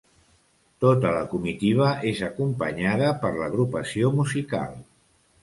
Tota la comitiva és acompanyada per l'Agrupació Musical.